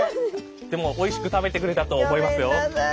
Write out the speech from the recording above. でもおいしく食べてくれたと思いますよ。